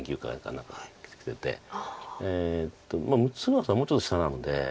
六浦さんはもうちょっと下なので。